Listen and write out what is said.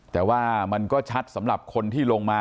แต่ว่ามันก็ชัดสำหรับคนที่ลงมา